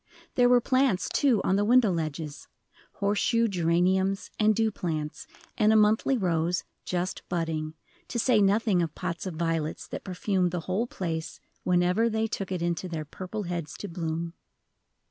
There were plants, too, on the window ledges, horse shoe geraniums, and dew plants, and a monthly rose, just budding, to say nothing of pots of violets that perfumed the whole place whenever they took it into their purple heads to bloom.